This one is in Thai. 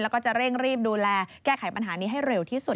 แล้วก็จะเร่งรีบดูแลแก้ไขปัญหานี้ให้เร็วที่สุด